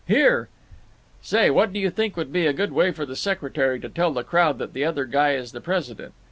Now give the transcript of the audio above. "Here— "Say, what do you think would be a good way for the secretary to tell the crowd that the other guy is the president?